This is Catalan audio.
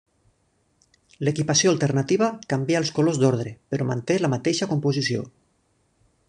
L'equipació alternativa canvia els colors d'ordre, però manté la mateixa composició.